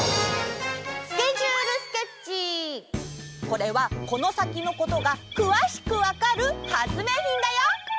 これはこのさきのことがくわしくわかる発明品だよ。